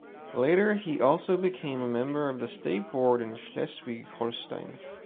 Later he also became a member of the state board in Schleswig-Holstein.